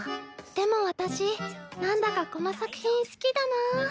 でも私なんだかこの作品好きだなぁ。